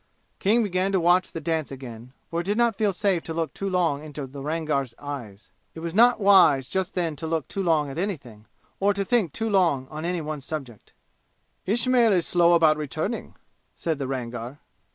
King began to watch the dance again, for it did not feel safe to look too long into the Rangar's eyes. It was not wise just then to look too long at anything, or to think too long on any one subject. "Ismail is slow about returning," said the Rangar.